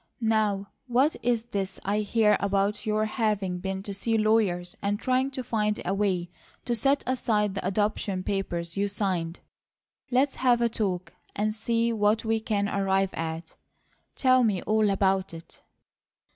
Now what is this I hear about your having been to see lawyers and trying to find a way to set aside the adoption papers you signed? Let's have a talk, and see what we can arrive at. Tell me all about it."